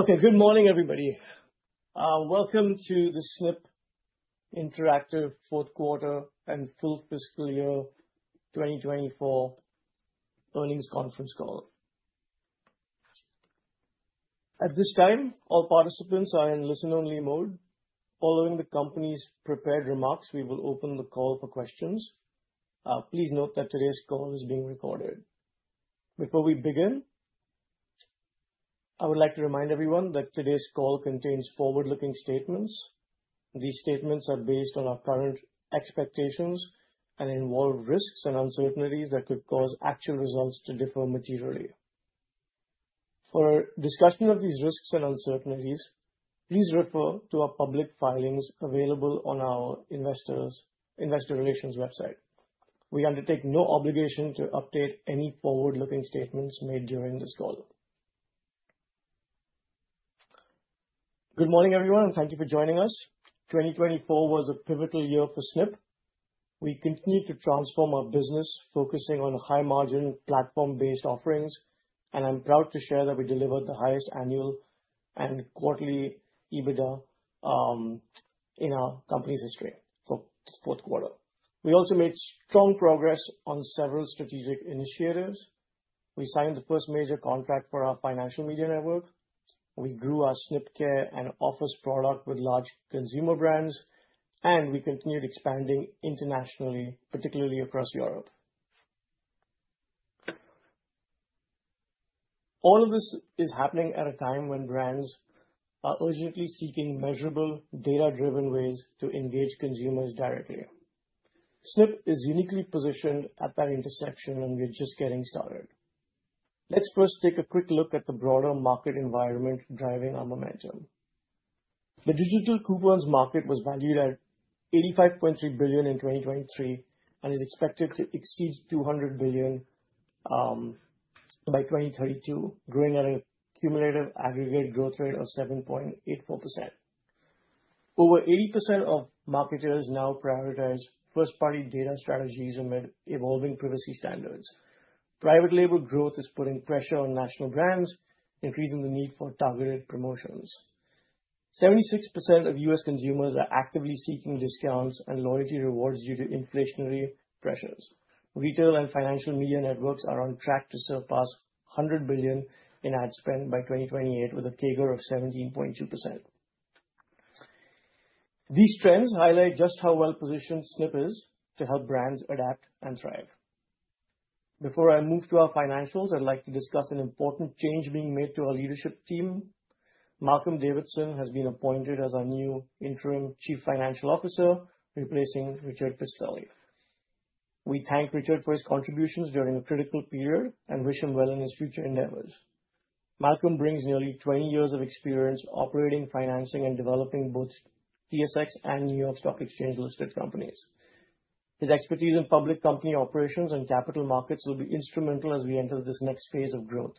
Okay, good morning, everybody. Welcome to the Snipp Interactive Fourth Quarter and Full Fiscal Year 2024 Earnings Conference Call. At this time, all participants are in listen-only mode. Following the company's prepared remarks, we will open the call for questions. Please note that today's call is being recorded. Before we begin, I would like to remind everyone that today's call contains forward-looking statements. These statements are based on our current expectations and involve risks and uncertainties that could cause actual results to differ materially. For discussion of these risks and uncertainties, please refer to our public filings available on our Investor Relations website. We undertake no obligation to update any forward-looking statements made during this call. Good morning, everyone, and thank you for joining us. 2024 was a pivotal year for Snipp. We continue to transform our business, focusing on high-margin platform-based offerings, and I'm proud to share that we delivered the highest annual and quarterly EBITDA in our company's history for the fourth quarter. We also made strong progress on several strategic initiatives. We signed the first major contract for our financial media network. We grew our Snipp CARE and Office Product with large consumer brands, and we continued expanding internationally, particularly across Europe. All of this is happening at a time when brands are urgently seeking measurable, data-driven ways to engage consumers directly. Snipp is uniquely positioned at that intersection, and we're just getting started. Let's first take a quick look at the broader market environment driving our momentum. The digital coupons market was valued at 85.3 billion in 2023 and is expected to exceed 200 billion by 2032, growing at a cumulative aggregate growth rate of 7.84%. Over 80% of marketers now prioritize first-party data strategies amid evolving privacy standards. Private label growth is putting pressure on national brands, increasing the need for targeted promotions. 76% of U.S. consumers are actively seeking discounts and loyalty rewards due to inflationary pressures. Retail and financial media networks are on track to surpass 100 billion in ad spend by 2028, with a CAGR of 17.2%. These trends highlight just how well-positioned Snipp is to help brands adapt and thrive. Before I move to our financials, I'd like to discuss an important change being made to our leadership team. Malcolm Davidson has been appointed as our new interim Chief Financial Officer, replacing Richard Pistilli. We thank Richard for his contributions during a critical period and wish him well in his future endeavors. Malcolm brings nearly 20 years of experience operating, financing, and developing both TSX and New York Stock Exchange-listed companies. His expertise in public company operations and capital markets will be instrumental as we enter this next phase of growth.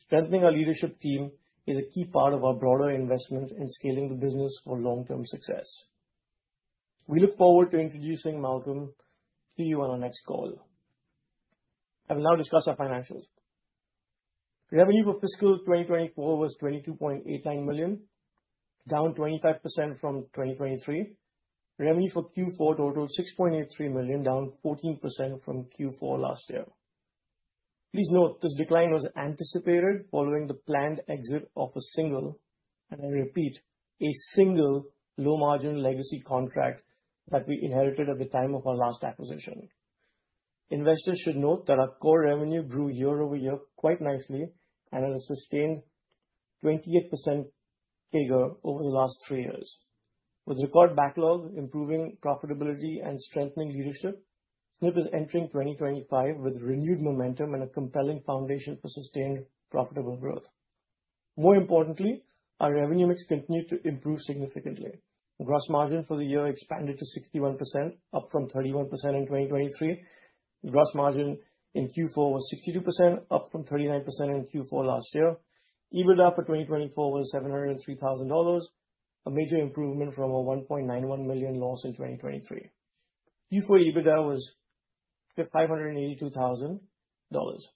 Strengthening our leadership team is a key part of our broader investment in scaling the business for long-term success. We look forward to introducing Malcolm to you on our next call. I will now discuss our financials. Revenue for Fiscal 2024 was 22.89 million, down 25% from 2023. Revenue for Q4 totaled 6.83 million, down 14% from Q4 last year. Please note, this decline was anticipated following the planned exit of a single, and I repeat, a single low-margin legacy contract that we inherited at the time of our last acquisition. Investors should note that our core revenue grew year over year quite nicely and had a sustained 28% CAGR over the last three years. With record backlog, improving profitability, and strengthening leadership, Snipp is entering 2025 with renewed momentum and a compelling foundation for sustained profitable growth. More importantly, our revenue mix continued to improve significantly. Gross margin for the year expanded to 61%, up from 31% in 2023. Gross margin in Q4 was 62%, up from 39% in Q4 last year. EBITDA for 2024 was 703,000 dollars, a major improvement from a 1.91 million loss in 2023. Q4 EBITDA was 582,000 dollars.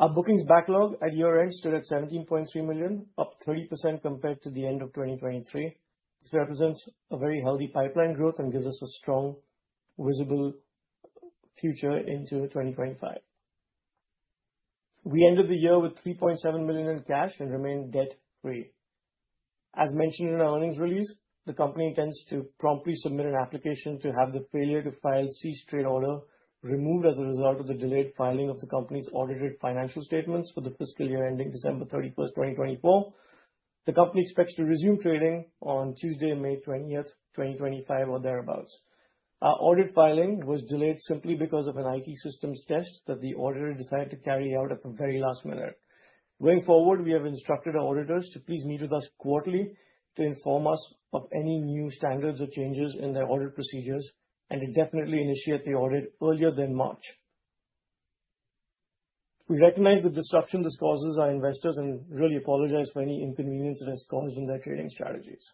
Our bookings backlog at year-end stood at 17.3 million, up 30% compared to the end of 2023. This represents a very healthy pipeline growth and gives us a strong, visible future into 2025. We ended the year with 3.7 million in cash and remained debt-free. As mentioned in our earnings release, the company intends to promptly submit an application to have the failure to file cease-trade order removed as a result of the delayed filing of the company's audited financial statements for the Fiscal Year ending December 31st, 2024. The company expects to resume trading on Tuesday, May 20st, 2025, or thereabouts. Our audit filing was delayed simply because of an IT systems test that the auditor decided to carry out at the very last minute. Going forward, we have instructed our auditors to please meet with us quarterly to inform us of any new standards or changes in their audit procedures and to definitely initiate the audit earlier than March. We recognize the disruption this causes our investors and really apologize for any inconvenience it has caused in their trading strategies.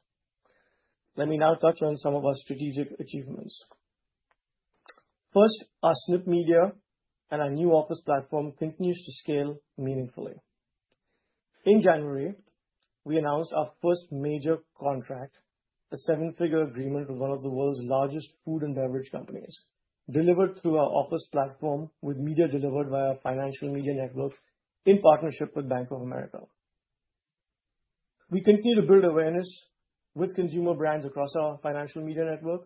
Let me now touch on some of our strategic achievements. First, our Snipp Media and our new office platform continues to scale meaningfully. In January, we announced our first major contract, a seven-figure agreement with one of the world's largest food and beverage companies, delivered through our office platform with media delivered via our Financial Media Network in partnership with Bank of America. We continue to build awareness with consumer brands across our Financial Media Network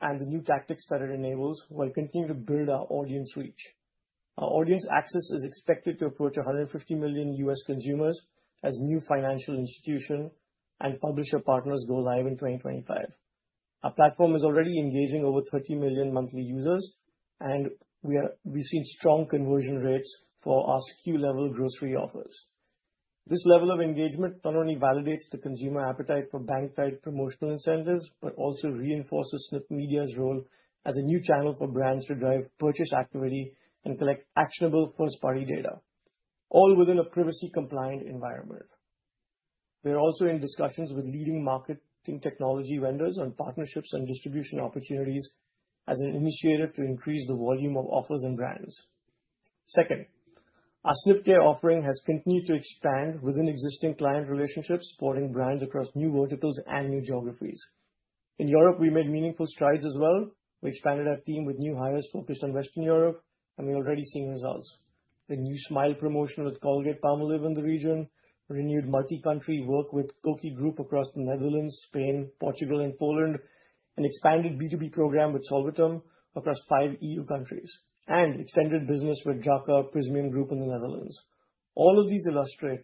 and the new tactics that it enables while continuing to build our audience reach. Our audience access is expected to approach 150 million U.S. consumers as new financial institution and publisher partners go live in 2025. Our platform is already engaging over 30 million monthly users, and we've seen strong conversion rates for our SKU-level grocery offers. This level of engagement not only validates the consumer appetite for bank-guided promotional incentives but also reinforces Snipp Media's role as a new channel for brands to drive purchase activity and collect actionable first-party data, all within a privacy-compliant environment. We are also in discussions with leading marketing technology vendors on partnerships and distribution opportunities as an initiative to increase the volume of offers and brands. Second, our Snipp CARE offering has continued to expand within existing client relationships, supporting brands across new verticals and new geographies. In Europe, we made meaningful strides as well. We expanded our team with new hires focused on Western Europe, and we're already seeing results. The new Smile promotion with Colgate-Palmolive in the region, renewed multi-country work with Koki Group across the Netherlands, Spain, Portugal, and Poland, an expanded B2B program with Solvitum across five EU countries, and extended business with Draka Prysmian Group in the Netherlands. All of these illustrate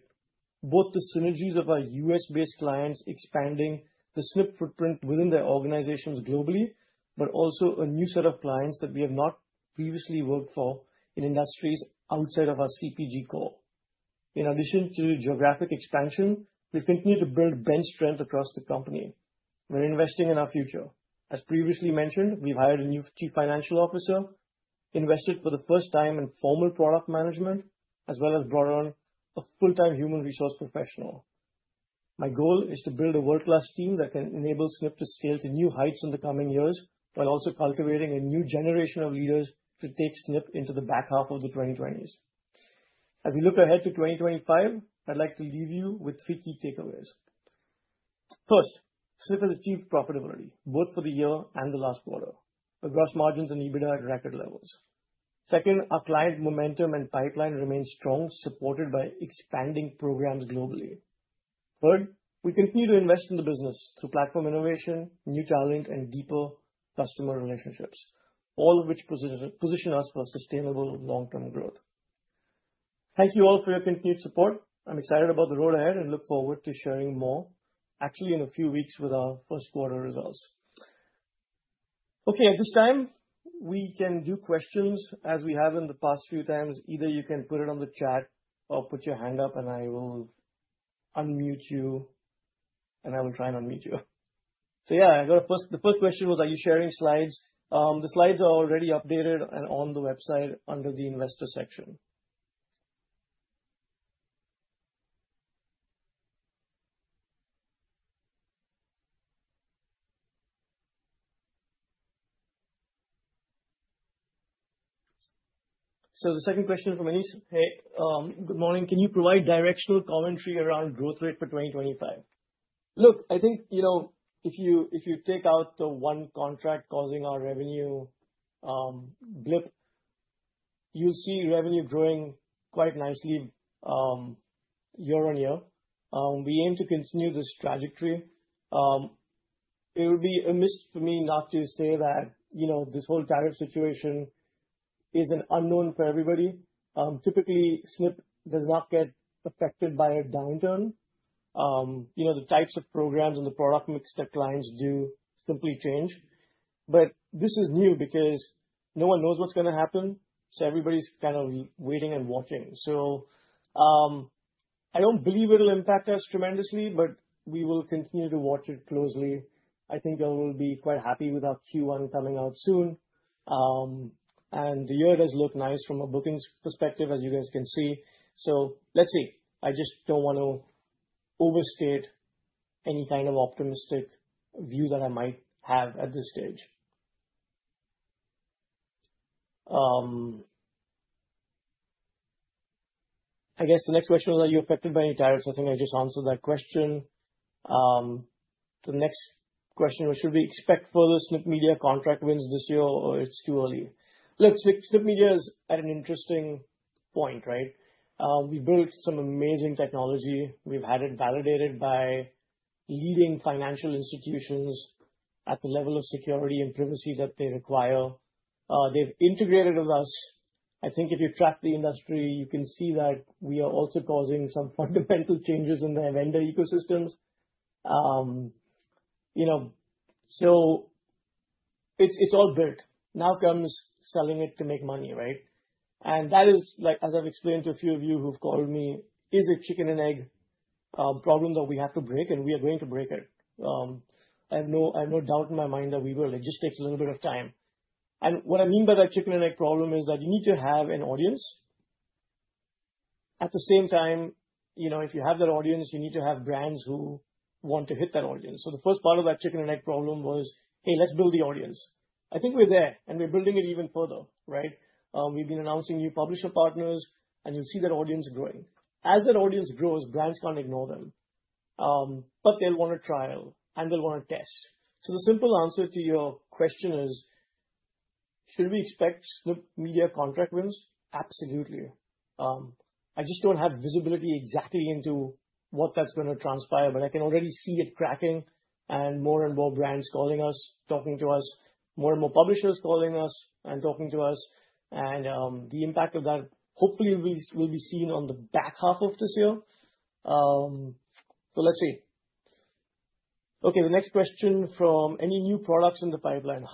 both the synergies of our U.S.-based clients expanding the Snipp footprint within their organizations globally, but also a new set of clients that we have not previously worked for in industries outside of our CPG core. In addition to geographic expansion, we've continued to build bench strength across the company. We're investing in our future. As previously mentioned, we've hired a new Chief Financial Officer, invested for the first time in formal product management, as well as brought on a full-time human resource professional. My goal is to build a world-class team that can enable Snipp to scale to new heights in the coming years while also cultivating a new generation of leaders to take Snipp into the back half of the 2020s. As we look ahead to 2025, I'd like to leave you with three key takeaways. First, Snipp has achieved profitability both for the year and the last quarter. The gross margins and EBITDA are at record levels. Second, our client momentum and pipeline remain strong, supported by expanding programs globally. Third, we continue to invest in the business through platform innovation, new talent, and deeper customer relationships, all of which position us for sustainable long-term growth. Thank you all for your continued support. I'm excited about the road ahead and look forward to sharing more, actually in a few weeks, with our first-quarter results. Okay, at this time, we can do questions as we have in the past few times. Either you can put it on the chat or put your hand up, and I will unmute you, and I will try and unmute you. Yeah, I got a first—the first question was, are you sharing slides? The slides are already updated and on the website under the investor section. The second question from Anisa, hey, good morning. Can you provide directional commentary around growth rate for 2025? Look, I think, you know, if you take out the one contract causing our revenue blip, you will see revenue growing quite nicely year on year. We aim to continue this trajectory. It would be a miss for me not to say that, you know, this whole tariff situation is an unknown for everybody. Typically, Snipp does not get affected by a downturn. You know, the types of programs and the product mix that clients do simply change. This is new because no one knows what's going to happen, so everybody's kind of waiting and watching. I don't believe it'll impact us tremendously, but we will continue to watch it closely. I think I will be quite happy with our Q1 coming out soon. The year does look nice from a bookings perspective, as you guys can see. Let's see. I just don't want to overstate any kind of optimistic view that I might have at this stage. I guess the next question was, are you affected by any tariffs? I think I just answered that question. The next question was, should we expect further Snipp Media contract wins this year or it's too early? Look, Snipp Media is at an interesting point, right? We've built some amazing technology. We've had it validated by leading financial institutions at the level of security and privacy that they require. They've integrated with us. I think if you track the industry, you can see that we are also causing some fundamental changes in their vendor ecosystems. You know, so it's all built. Now comes selling it to make money, right? That is, like, as I've explained to a few of you who've called me, a chicken-and-egg problem that we have to break, and we are going to break it. I have no doubt in my mind that we will. It just takes a little bit of time. What I mean by that chicken-and-egg problem is that you need to have an audience. At the same time, you know, if you have that audience, you need to have brands who want to hit that audience. The first part of that chicken-and-egg problem was, hey, let's build the audience. I think we're there, and we're building it even further, right? We've been announcing new publisher partners, and you'll see that audience growing. As that audience grows, brands can't ignore them, but they'll want a trial, and they'll want a test. The simple answer to your question is, should we expect Snipp Media contract wins? Absolutely. I just don't have visibility exactly into what that's going to transpire, but I can already see it cracking and more and more brands calling us, talking to us, more and more publishers calling us and talking to us. The impact of that, hopefully, will be seen on the back half of this year. Let's see. Okay, the next question from any new products in the pipeline.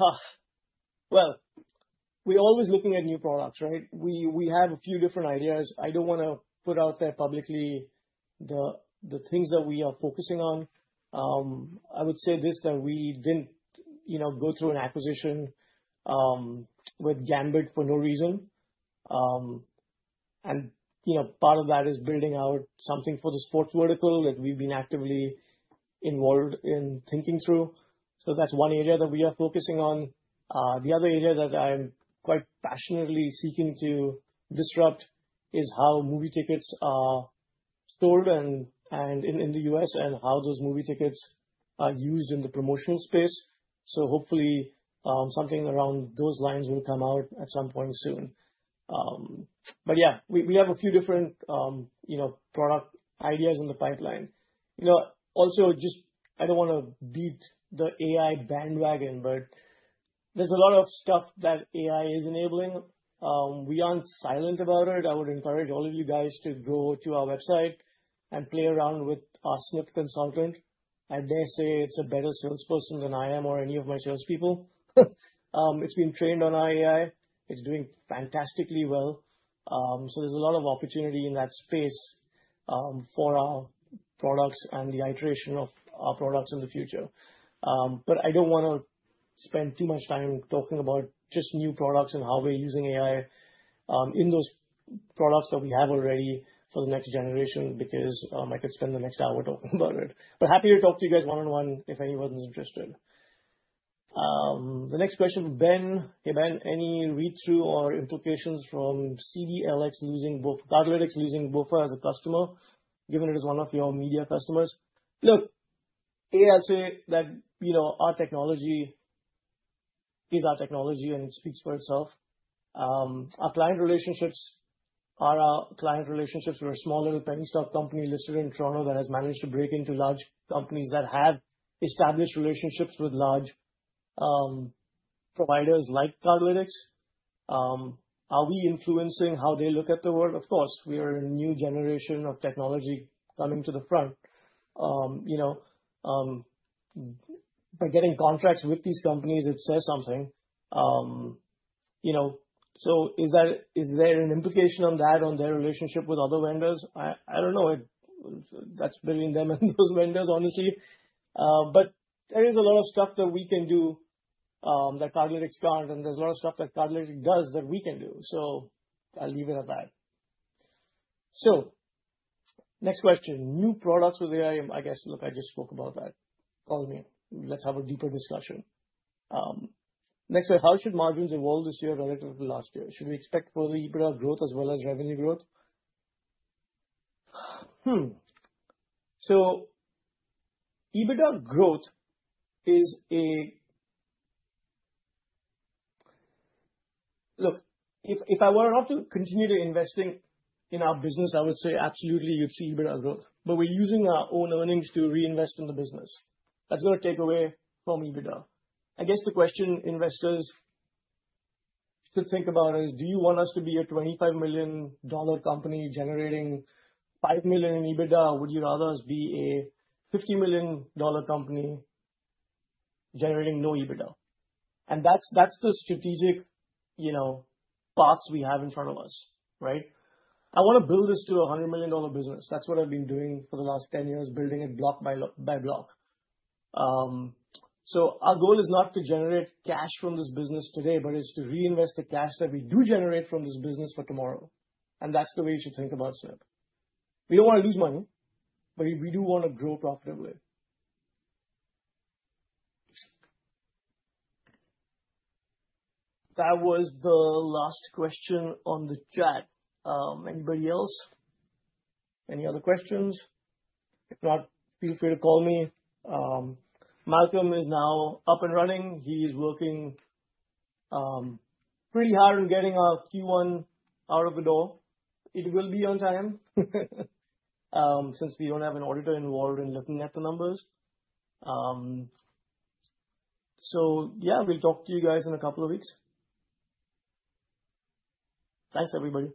We're always looking at new products, right? We have a few different ideas. I do not want to put out there publicly the things that we are focusing on. I would say this: that we did not, you know, go through an acquisition with Gambit for no reason. You know, part of that is building out something for the sports vertical that we have been actively involved in thinking through. That is one area that we are focusing on. The other area that I am quite passionately seeking to disrupt is how movie tickets are stored in the U.S. and how those movie tickets are used in the promotional space. Hopefully, something around those lines will come out at some point soon. Yeah, we have a few different, you know, product ideas in the pipeline. You know, also just I do not want to beat the AI bandwagon, but there is a lot of stuff that AI is enabling. We aren't silent about it. I would encourage all of you guys to go to our website and play around with our Snipp Consultant. I dare say it's a better salesperson than I am or any of my salespeople. It's been trained on our AI. It's doing fantastically well. There is a lot of opportunity in that space for our products and the iteration of our products in the future. I don't want to spend too much time talking about just new products and how we're using AI in those products that we have already for the next generation because I could spend the next hour talking about it. Happy to talk to you guys one-on-one if anyone's interested. The next question from Ben. Hey, Ben, any read-through or implications from CDLX losing Cardlytics losing BofA as a customer, given it is one of your media customers? Look, yeah, I'll say that, you know, our technology is our technology, and it speaks for itself. Our client relationships are our client relationships. We're a small little penny stock company listed in Toronto that has managed to break into large companies that have established relationships with large providers like Cardlytics. Are we influencing how they look at the world? Of course. We are a new generation of technology coming to the front. You know, by getting contracts with these companies, it says something. You know, so is there an implication on that, on their relationship with other vendors? I don't know. That's between them and those vendors, honestly. But there is a lot of stuff that we can do that Cardlytics can't, and there's a lot of stuff that Cardlytics does that we can do. I'll leave it at that. Next question. New products with AI, I guess. Look, I just spoke about that. Call me. Let's have a deeper discussion. Next question. How should margins evolve this year relative to last year? Should we expect further EBITDA growth as well as revenue growth? EBITDA growth is a—look, if I were not to continue investing in our business, I would say absolutely you'd see EBITDA growth. But we're using our own earnings to reinvest in the business. That's going to take away from EBITDA. I guess the question investors should think about is, do you want us to be a 25 million dollar company generating 5 million in EBITDA? Would you rather us be a 50 million dollar company generating no EBITDA? That is the strategic, you know, paths we have in front of us, right? I want to build this to a 100 million dollar business. That's what I've been doing for the last 10 years, building it block by block. Our goal is not to generate cash from this business today, but it's to reinvest the cash that we do generate from this business for tomorrow. That's the way you should think about Snipp. We don't want to lose money, but we do want to grow profitably. That was the last question on the chat. Anybody else? Any other questions? If not, feel free to call me. Malcolm is now up and running. He's working pretty hard on getting our Q1 out of the door. It will be on time since we don't have an auditor involved in looking at the numbers. We'll talk to you guys in a couple of weeks. Thanks, everybody.